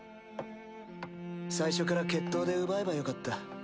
最初から決闘で奪えばよかった。